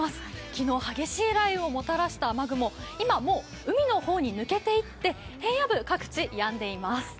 昨日激しい雷雨をもたらした雨雲、今、もう海の方に抜けていって、平野部、各地やんでいます。